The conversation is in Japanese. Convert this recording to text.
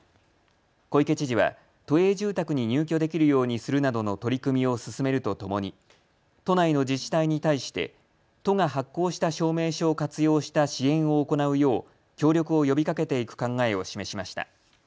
小池知事は都営住宅に入居できるようにするなどの取り組みを進めるとともに都内の自治体に対して都が発行した証明書を活用した支援を行うよう協力を呼びかけていく考えを示しました。